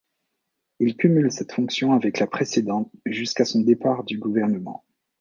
Il cumule cette fonction avec la précédente jusqu'à son départ du gouvernement.